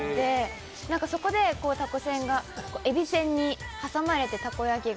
そこでたこせんがえびせんに挟まれて、たこ焼きが。